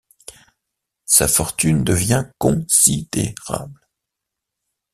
Sa fortune devient considérable.